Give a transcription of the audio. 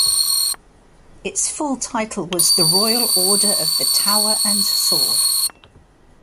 Its full title was "the Royal Order of the Tower and Sword".